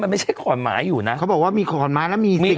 มันไม่ใช่ขอนไม้อยู่นะเขาบอกว่ามีขอนไม้แล้วมี